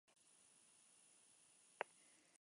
Se usa para fijar el color del teñido en tela.